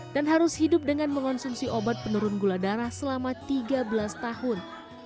dan harus hidup dengan mengonsumsi obat penurun gula darah selama tiga belas tahun